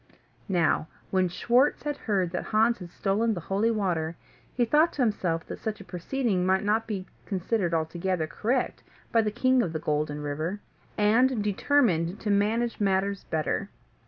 Now when Schwartz had heard that Hans had stolen the holy water, he thought to himself that such a proceeding might not be considered altogether correct by the King of the Golden River, and determined to manage matters better.